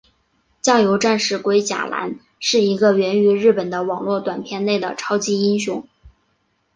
酱油战士龟甲男是一个源于日本的网络短片内的超级英雄。